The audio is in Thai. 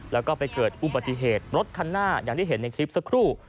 แล้วก็ไปเกิดอุบัติเหตุรถคันหน้าอย่างที่เห็นในคลิปสักครู่